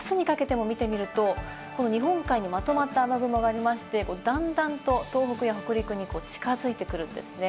あすにかけても見てみると、この日本海にまとまった雨雲がありまして、段々と東北や北陸に近づいてくるんですね。